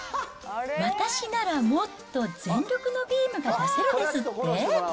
私ならもっと全力のビームが出せるですって？